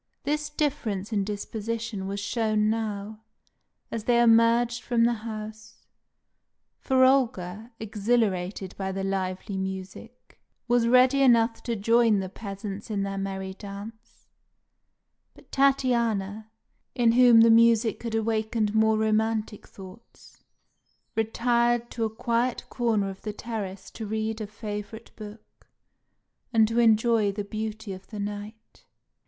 This difference in disposition was shown now, as they emerged from the house; for Olga, exhilarated by the lively music, was ready enough to join the peasants in their merry dance, but Tatiana, in whom the music had awakened more romantic thoughts, retired to a quiet corner of the terrace to read a favourite book, and to enjoy the beauty of the night.